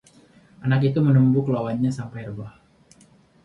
anak itu menumbuk lawannya sampai rebah